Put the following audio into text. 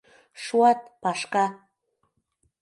Шуат, Пашка!